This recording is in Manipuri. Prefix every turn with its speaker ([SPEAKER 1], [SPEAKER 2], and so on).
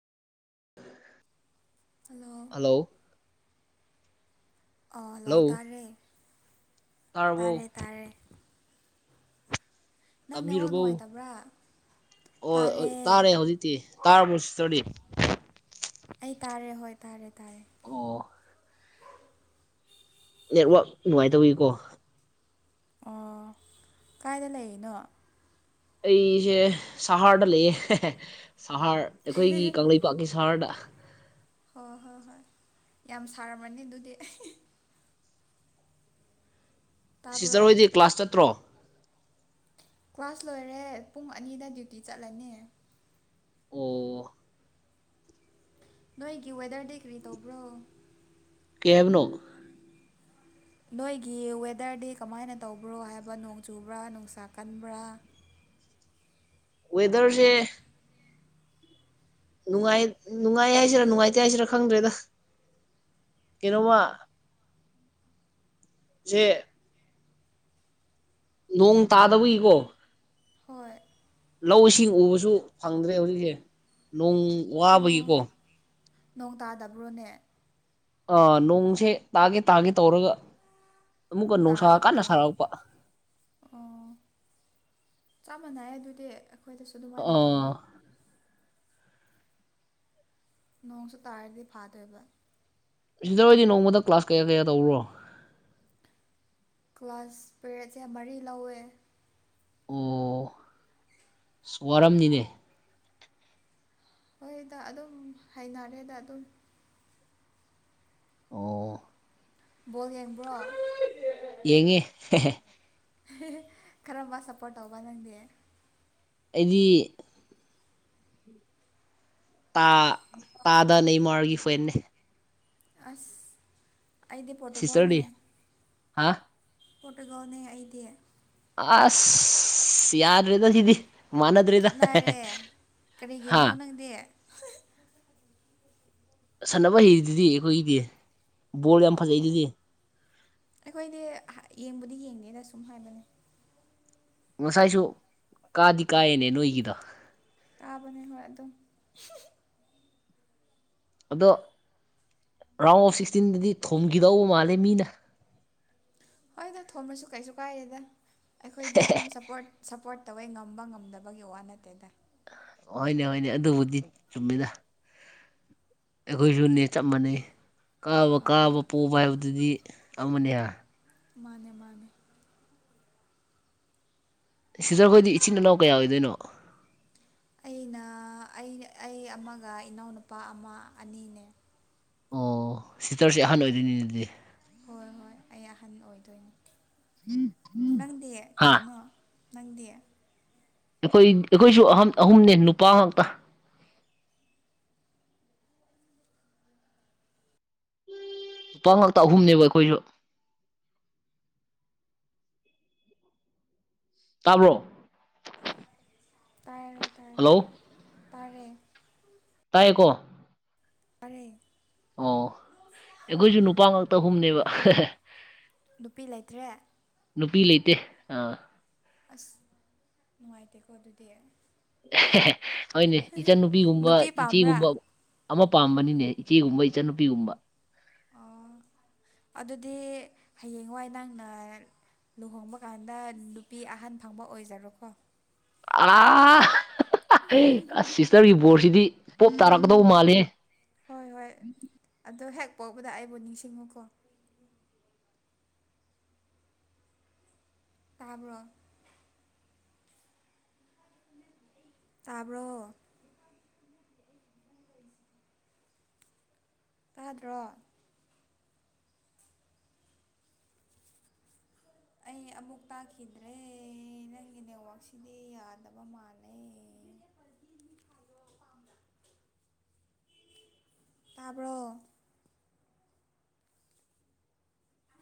[SPEAKER 1] ꯍꯗꯣ
[SPEAKER 2] ꯍꯜꯂꯣ
[SPEAKER 1] ꯑ ꯂꯥꯛ ꯇꯥꯔꯦ
[SPEAKER 2] ꯇꯥꯔꯔꯕꯣ
[SPEAKER 1] ꯇꯥꯔꯦ ꯇꯥꯔꯦ ꯅꯪ ꯅꯦꯠꯋꯥꯛ
[SPEAKER 2] ꯇꯥꯕꯤꯔꯨꯕꯧ
[SPEAKER 1] ꯅꯨꯡꯉꯥꯏꯇꯕ꯭ꯔꯥ
[SPEAKER 2] ꯑꯣ ꯇꯥꯔꯦ ꯍꯧꯖꯤꯛꯇꯤ ꯇꯥ ꯃꯁꯗꯤ
[SPEAKER 1] ꯑꯩ ꯇꯥꯔꯦ ꯍꯣꯏ ꯇꯥꯔꯦ ꯇꯥꯔꯦ
[SPEAKER 2] ꯑꯣ ꯅꯦꯠꯋꯥꯛ ꯅꯨꯡꯉꯥꯏꯇꯧꯋꯀꯣ
[SPEAKER 1] ꯑꯣ ꯀꯥꯏꯗ ꯂꯩꯔꯤꯅꯣ
[SPEAKER 2] ꯑꯩꯁꯦ ꯁꯍꯗ ꯂꯩ ꯁꯍꯔ ꯑꯩꯈꯣꯏꯒꯤ ꯀꯪꯂꯩꯄꯥꯛꯀꯤ ꯁꯍꯔꯗ
[SPEAKER 1] ꯍꯣꯏ ꯍꯣꯏ ꯍꯣꯏ ꯌꯥꯝ ꯁꯥꯔꯝꯃꯅꯤ ꯑꯗꯨꯗꯤ ꯑꯩ ꯇꯥꯕ꯭ꯔꯣ
[SPEAKER 2] ꯁꯤꯁꯇꯔ ꯍꯣꯏꯗꯤ ꯀ꯭ꯂꯥꯁ ꯆꯠꯇ꯭ꯔꯣ
[SPEAKER 1] ꯀ꯭ꯂꯥꯁ ꯂꯣꯏꯔꯦ ꯄꯨꯡ ꯑꯅꯤꯗ ꯗ꯭ꯌꯨꯇꯤ ꯆꯠꯂꯅꯤ
[SPEAKER 2] ꯑꯣ
[SPEAKER 1] ꯅꯣꯏꯒꯤ ꯋꯦꯗꯔꯗꯤ ꯀꯔꯤ ꯇꯧꯕ꯭ꯔꯣ
[SPEAKER 2] ꯀꯦꯕꯅꯣ
[SPEAKER 1] ꯅꯣꯏꯒꯤ ꯋꯦꯗꯔꯗꯤ ꯀꯃꯥꯏꯅ ꯇꯧꯕ꯭ꯔꯣ ꯍꯥꯏꯕ ꯅꯣꯡ ꯆꯨꯕ꯭ꯔꯥ ꯅꯨꯡꯁꯥ ꯀꯟꯕ꯭ꯔꯥ
[SPEAKER 2] ꯋꯦꯗꯔꯁꯦ ꯅꯨꯡꯉꯥꯏ ꯅꯨꯡꯉꯥꯏ ꯍꯥꯏꯁꯤꯔꯥ ꯅꯨꯡꯉꯥꯏꯇꯦ ꯍꯥꯏꯁꯤꯔꯥ ꯈꯪꯗ꯭ꯔꯦꯗ ꯀꯩꯅ‌ꯣꯃꯥ ꯖꯦ [unintelligible] ꯅꯣꯡ ꯇꯥꯗꯕꯒꯤ ꯀ‌ꯣ
[SPEAKER 1] ꯍꯣꯏ
[SPEAKER 2] ꯂꯧ ꯏꯁꯤꯡ ꯎꯕꯁꯨ ꯐꯪꯗ꯭ꯔꯦ ꯍꯧꯖꯤꯛꯁꯦ ꯅꯣꯡ
[SPEAKER 1] ꯑꯣ
[SPEAKER 2] ꯋꯥꯕꯒꯤꯀꯣ
[SPEAKER 1] ꯅꯣꯡ ꯇꯥꯗꯕ꯭ꯔꯣꯅꯦ
[SPEAKER 2] ꯑꯥ ꯅꯣꯡꯁꯦ ꯇꯥꯒꯦ ꯇꯥꯒꯦ ꯇꯧꯔꯒ ꯑꯃꯨꯛꯀ ꯅꯨꯡꯁꯥ ꯀꯟꯅ
[SPEAKER 1] ꯇꯥꯗꯕꯗꯣ
[SPEAKER 2] ꯁꯥꯔꯛꯄ
[SPEAKER 1] ꯑꯣ ꯆꯞ ꯃꯥꯟꯅꯩ ꯑꯗꯨꯗꯤ ꯑꯩꯈꯣꯏꯗꯁꯨ ꯑꯗꯨꯃꯥꯏꯅ ꯇꯧꯋꯦ
[SPEAKER 2] ꯑꯥ
[SPEAKER 1] ꯅꯣꯡꯁꯨ ꯇꯥꯔꯗꯤ ꯐꯥꯗꯣꯏꯕ
[SPEAKER 2] ꯁꯤꯁꯇꯔꯍꯣꯏꯗꯤ ꯅꯣꯡꯃꯗ ꯀ꯭ꯂꯥꯁ ꯀꯌꯥ ꯀꯌꯥ ꯇꯧꯕ꯭ꯔꯣ
[SPEAKER 1] ꯀ꯭ꯂꯥꯁ ꯄꯦꯔꯦꯠꯁꯦ ꯃꯔꯤ ꯂꯧꯋꯦ
[SPEAKER 2] ꯑꯣ ꯑꯁ ꯋꯥꯔꯝꯅꯤꯅꯦ
[SPEAKER 1] ꯍꯣꯏꯗ ꯑꯗꯨꯝ ꯍꯥꯏꯅꯔꯦꯗ ꯑꯗꯨꯝ
[SPEAKER 2] ꯑꯣ
[SPEAKER 1] ꯕꯣꯜ ꯌꯦꯡꯕ꯭ꯔꯣ
[SPEAKER 2] ꯌꯦꯉꯤ
[SPEAKER 1] ꯀꯔꯝꯕ ꯁꯞꯄꯣꯔꯠ ꯇꯧꯕ ꯅꯪꯗꯤ
[SPEAKER 2] ꯑꯩꯗꯤ ꯇꯥ ꯇꯥꯗ ꯅꯦꯃꯥꯔꯒꯤ ꯐꯦꯟꯅꯦ
[SPEAKER 1] ꯑꯁ ꯑꯩꯗꯤ ꯄꯣꯔꯇꯨꯒꯜ
[SPEAKER 2] ꯁꯤꯁꯇꯔꯗꯤ
[SPEAKER 1] ꯅ‌ꯦ
[SPEAKER 2] ꯍꯥ
[SPEAKER 1] ꯄ‌ꯣꯔꯇꯨꯒꯜꯅꯦ ꯑꯩꯗꯤ
[SPEAKER 2] ꯑꯁ ꯌꯥꯗ꯭ꯔꯦꯗ ꯁꯤꯗꯤ ꯃꯥꯟꯅꯗ꯭ꯔꯦꯗ
[SPEAKER 1] ꯈꯦꯠꯅꯔꯦ ꯀꯔꯤꯒꯤꯅꯣ
[SPEAKER 2] ꯍꯥ
[SPEAKER 1] ꯅꯪꯗꯤ
[SPEAKER 2] ꯁꯥꯟꯅꯕ ꯍꯩꯗꯨꯗꯤ ꯑꯩꯈꯣꯏꯒꯤꯗꯤ ꯕꯣꯜ ꯌꯥꯝ ꯐꯖꯩꯗꯨꯗꯤ
[SPEAKER 1] ꯑꯩꯈꯣꯏꯗꯤ ꯌꯦꯡꯕꯨꯗꯤ ꯌꯦꯡꯗꯦꯗ ꯁꯨꯝ ꯍꯥꯏꯕꯅꯦ
[SPEAKER 2] ꯉꯁꯥꯏꯁꯨ ꯀꯥꯗꯤ ꯀꯥꯏꯌꯦꯅꯦ ꯅꯣꯏꯒꯤꯗ‌ꯣ
[SPEAKER 1] ꯀꯥꯕꯅ‌ꯦ ꯍ‌ꯣꯏ ꯑꯗꯨꯝ
[SPEAKER 2] ꯑꯗꯣ ꯔꯥꯎꯟ ꯑꯣꯐ ꯁꯤꯛꯁꯇꯤꯟꯗꯗꯤ ꯊꯣꯝꯈꯤꯗꯧꯕ ꯃꯥꯜꯂꯦ ꯃꯤꯅ
[SPEAKER 1] ꯍꯣꯏꯗ ꯊꯣꯝꯕꯁꯨ ꯀꯩꯁꯨ ꯀꯥꯏꯦꯗ ꯑꯩꯈꯣꯏꯗꯤ ꯑꯗꯨꯝ ꯁꯞꯄꯣꯔꯠ ꯁꯞꯄꯣꯔꯠ ꯇꯧꯋꯦ ꯉꯝꯕ ꯉꯝꯗꯕꯒꯤ ꯋꯥ ꯅꯠꯇꯦꯗꯏ
[SPEAKER 2] ꯍ‌ꯣꯏꯅꯦ ꯍ‌ꯣꯏꯅꯦ ꯑꯗꯨꯕꯨꯗꯤ ꯆꯨꯝꯃꯤꯗ ꯑꯩꯈꯣꯏꯁꯨꯅꯦ ꯆꯞ ꯃꯥꯟꯅꯩ ꯀꯥꯕ
[SPEAKER 1] ꯑꯥ
[SPEAKER 2] ꯀꯥꯕ ꯄꯣꯕ ꯍꯥꯏꯕꯗꯨꯗꯤ ꯑꯃꯅꯦꯍꯥ
[SPEAKER 1] ꯃꯥꯅꯦ ꯃꯥꯅꯦ
[SPEAKER 2] ꯁꯤꯁꯇꯔꯈꯣꯏꯗꯤ ꯏꯆꯤꯟ ꯏꯅꯥꯎ ꯀꯌꯥ ꯑꯣꯏꯗꯣꯏꯅꯣ
[SPEAKER 1] ꯑꯩꯅ ꯑꯩ ꯑꯩ ꯑꯃꯒ ꯏꯅꯥꯎꯅꯨꯄꯥ ꯑꯃ ꯑꯅꯤꯅꯦ
[SPEAKER 2] ꯑꯣ ꯁꯤꯁꯇꯔꯁꯦ ꯑꯍꯥꯟ ꯑꯣꯏꯗꯣꯏꯅꯤ ꯑꯗꯨꯗꯤ
[SPEAKER 1] ꯍꯣꯏ ꯍꯣꯏ ꯑꯩ ꯑꯍꯟ ꯑꯣꯏꯗꯣꯏꯅꯦ ꯅꯪꯗꯤ
[SPEAKER 2] ꯍꯥꯥ
[SPEAKER 1] ꯀꯌꯥꯅꯣ ꯅꯪꯗꯤ
[SPEAKER 2] ꯑꯩꯈꯣꯏ ꯑꯩꯈꯣꯏꯁꯨ ꯑꯍ ꯑꯍꯨꯝꯅꯦ ꯅꯨꯄꯥ ꯉꯛꯇ ꯅꯨꯨꯄꯥ ꯉꯥꯛꯇ ꯑꯍꯨꯝꯅꯦꯕ ꯑꯩꯈꯣꯏꯁꯨ ꯇꯥꯕ꯭ꯔꯣ
[SPEAKER 1] ꯇꯥꯔꯦ ꯇꯥꯔꯦ
[SPEAKER 2] ꯍꯜꯂꯣ
[SPEAKER 1] ꯇꯥꯔꯦ
[SPEAKER 2] ꯇꯥꯏꯀꯣ
[SPEAKER 1] ꯇꯥꯔꯦ
[SPEAKER 2] ꯑꯣ ꯑꯩꯈꯣꯏꯁꯨ ꯅꯨꯄꯥ ꯉꯥꯛꯇ ꯑꯍꯨꯝꯅꯦꯕ
[SPEAKER 1] ꯅꯨꯄꯤ ꯂꯩꯇ꯭ꯔꯦ
[SPEAKER 2] ꯅꯨꯄꯤ ꯂꯩꯇꯦ ꯑꯥ
[SPEAKER 1] ꯅꯨꯡꯉꯥꯏꯇꯦꯀꯣ ꯑꯗꯨꯗꯤ
[SPEAKER 2] ꯍꯅꯦ ꯏꯆꯟꯅꯨꯄꯤꯒꯨꯝꯕ
[SPEAKER 1] ꯅꯨꯄꯤ ꯄꯥꯝꯕ꯭ꯔꯥ
[SPEAKER 2] ꯏꯆꯦꯒꯨꯝꯕ ꯑꯃ ꯄꯥꯝꯕꯅꯤꯅꯦ ꯏꯆꯦꯒꯨꯝꯕ ꯏꯆꯟꯅꯨꯄꯤꯒꯨꯝꯕ
[SPEAKER 1] ꯑꯣ ꯑꯗꯨꯗꯤ ꯍꯌꯦꯡꯋꯥꯏ ꯅꯪꯅ ꯂꯨꯍꯣꯡꯕ ꯀꯥꯟꯗ ꯅꯨꯄꯤ ꯑꯍꯟ ꯐꯪꯕ ꯑꯣꯏꯖꯔꯣꯀꯣ
[SPEAKER 2] ꯑ ꯑꯁ ꯁꯤꯁꯇꯔꯒꯤ ꯕꯣꯔꯁꯤꯗꯤ ꯄꯣꯞꯇ ꯔꯛꯗꯧ ꯃꯥꯂꯦ
[SPEAKER 1] ꯍꯣꯏ ꯍꯣꯏ ꯑꯣ ꯍꯦꯛ ꯄꯥꯎꯕꯗ ꯑꯩꯕꯨ ꯅꯤꯡꯁꯤꯡꯉꯨꯀꯣ ꯇꯥꯕ꯭ꯔ ꯇꯥꯕ꯭ꯔꯣ ꯆꯥꯗ꯭ꯔꯣ ꯑꯩ ꯑꯃꯨꯛ ꯇꯥꯈꯤꯗ꯭ꯔꯦ ꯅꯪꯒꯤ ꯅꯦꯠꯋꯥꯛꯁꯤꯗꯤ ꯌꯥꯗꯕ ꯃꯥꯜꯂꯦ
[SPEAKER 2] ꯑ
[SPEAKER 1] ꯇꯥꯔꯕꯣ